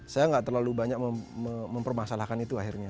saya nggak terlalu banyak mempermasalahkan itu akhirnya